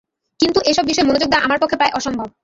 কিন্তু এ-সব বিষয়ে মনযোগ দেওয়া আমার পক্ষে প্রায় অসম্ভব।